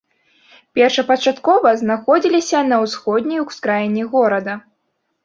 Першапачаткова знаходзіліся на ўсходняй ускраіне горада.